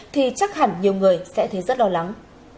thì chắc hẳn nhiều người sẽ thấy rất lo lắng